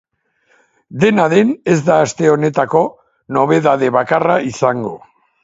Dena den, ez da aste honetako nobedade bakarra izango.